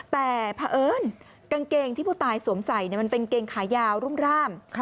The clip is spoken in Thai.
แต่เผอิญกางเกงที่ผู้ตายสวมใส่มันเป็นเกงขายาวรุ่มร่าม